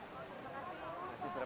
berikan berikan saja